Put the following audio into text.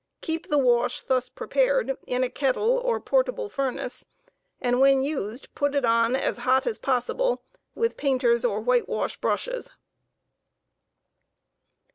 Ke6p the wash thus prepared in a kettle or portable furnace, and when used put it on as hot as possi ble, with painters' or whitewash brushes.